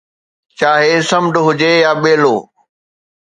چاهي سمنڊ هجي يا ٻيلو